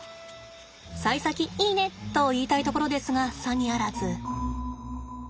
さい先いいね！と言いたいところですがさにあらず。